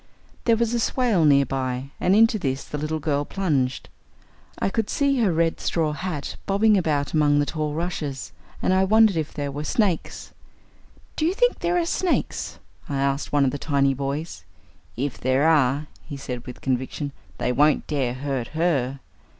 There was a swale near by, and into this the little girl plunged. I could see her red straw hat bobbing about among the tall rushes, and I wondered if there were snakes. "Do you think there are snakes?" I asked one of the tiny boys. "If there are," he said with conviction, "they won't dare hurt her."